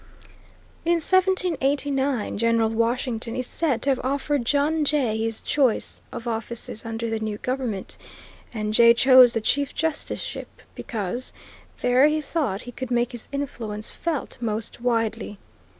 In 1789 General Washington is said to have offered John Jay his choice of offices under the new government, and Jay chose the chief justiceship, because there he thought he could make his influence felt most widely.